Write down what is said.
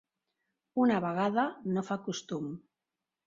Una vegada no fa costum.